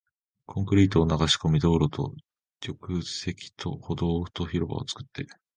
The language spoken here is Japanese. コンクリートを流し込み、道路と縁石と歩道と広場を作って